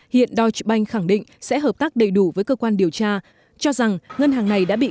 hiện deuts bank khẳng định sẽ hợp tác đầy đủ với cơ quan điều tra cho rằng ngân hàng này đã bị